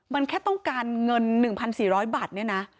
มันแค่ต้องการเงิน๑๔๐๐บาทเนี่ยนะ